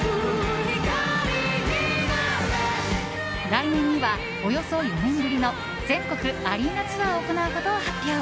来年には、およそ４年ぶりの全国アリーナツアーを行うことを発表。